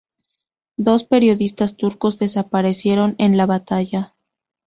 Dos periodistas turcos desaparecieron en la batalla.